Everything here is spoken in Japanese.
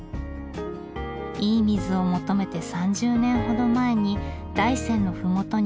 いい水を求めて３０年ほど前に大山の麓に酒蔵を移転。